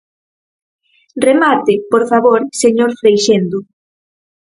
Remate, por favor, señor Freixendo.